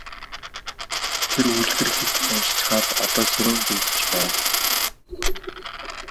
Тэр үлгэр хэт их уншчихаад одоо сэрүүн зүүдэлж байна.